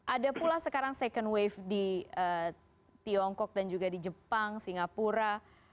ada pula sekarang second wave di tiongkok dan juga di jepang singapura